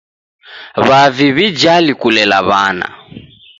W'avi w'ijali kulela w'ana.